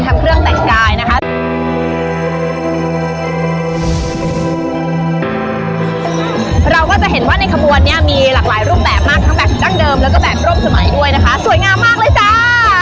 เราก็จะเห็นว่าในขบวนนี้มีหลากหลายรูปแบบมากทั้งแบบดั้งเดิมแล้วก็แบบร่มสมัยด้วยนะคะสวยงามมากเลยจ้า